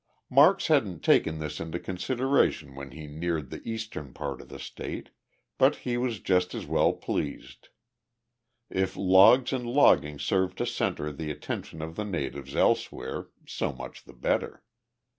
Marks hadn't taken this into consideration when he neared the eastern part of the state, but he was just as well pleased. If logs and logging served to center the attention of the natives elsewhere, so much the better.